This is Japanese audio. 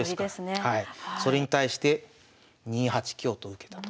それに対して２八香と受けたと。